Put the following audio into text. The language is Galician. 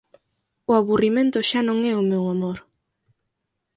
O aburrimento xa non é o meu amor.